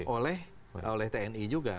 oleh tni juga